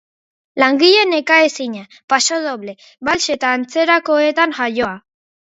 Langile nekaezina, pasodoble, bals eta antzerakoetan jaioa.